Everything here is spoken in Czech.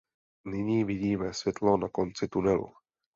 Nyní vidíme světlo na konci tunelu.